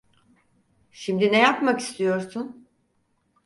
Şimdi ne yapmak istiyorsun?